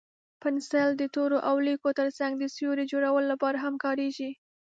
پنسل د تورو او لیکلو تر څنګ د سیوري جوړولو لپاره هم کارېږي.